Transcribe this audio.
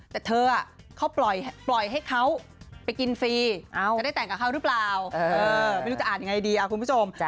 แต่เธอเขาปล่อยให้เขาไปกินฟรีจะได้แต่งกับเขาหรือเปล่าไม่รู้จะอ่านยังไงดีคุณผู้ชม